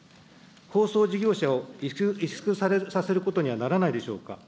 放送事業者を萎縮させることにはならないでしょうか。